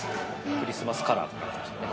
クリスマスカラーとなってましてね。